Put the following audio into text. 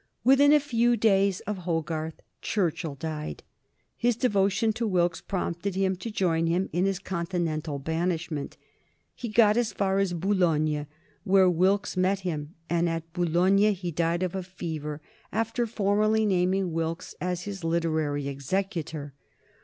Within a few days of Hogarth, Churchill died. His devotion to Wilkes prompted him to join him in his Continental banishment. He got as far as Boulogne, where Wilkes met him, and at Boulogne he died of a fever, after formally naming Wilkes as his literary executor.